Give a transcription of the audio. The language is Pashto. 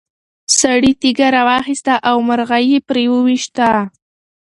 سړي تیږه راواخیسته او مرغۍ یې پرې وویشتله.